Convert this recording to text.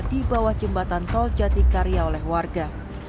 di bawah jembatan tol jatikarya oleh warga